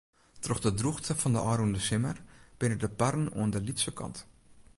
Troch de drûchte fan ôfrûne simmer binne de parren oan de lytse kant.